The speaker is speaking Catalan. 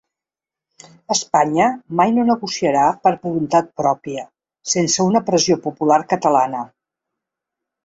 Espanya mai no negociarà per voluntat pròpia, sense una pressió popular catalana.